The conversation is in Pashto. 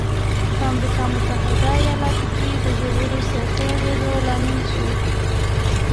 په امریکا متحده ایالتونو کې د ژورو سیاسي اغېزو لامل شوی.